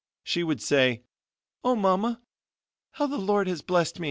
She would say: "Oh, Mama, how the Lord has blessed me."